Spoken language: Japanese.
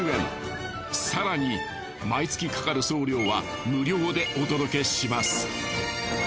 更に毎月かかる送料は無料でお届けします。